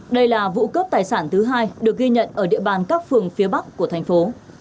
đây là vụ cướp tài sản thứ hai được ghi nhận ở địa bàn các phường phía bắc của thành phố